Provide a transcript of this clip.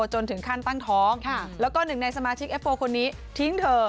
จนถึงขั้นตั้งท้องแล้วก็หนึ่งในสมาชิกเอฟโฟคนนี้ทิ้งเธอ